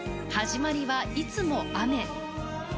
『はじまりはいつも雨』。